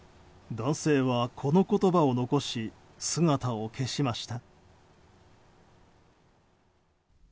男性はこの言葉を残し姿を消しました。